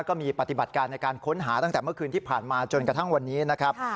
ปฏิบัติการในการค้นหาตั้งแต่เมื่อคืนที่ผ่านมาจนกระทั่งวันนี้นะครับ